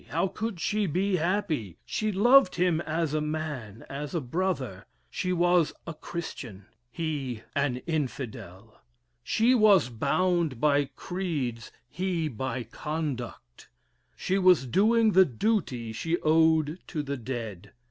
How could she be happy? She loved him as a man as a brother. She was a Christian he an Infidel. She was bound by creeds he by conduct. She was doing the duty she owed to the dead.